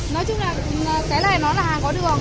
nói chung là cái này nó là hàng có đường